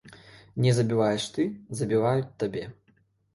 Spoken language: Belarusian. Не забіваеш ты, забіваюць табе.